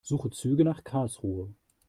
Suche Züge nach Karlsruhe.